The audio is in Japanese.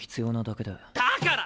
だから！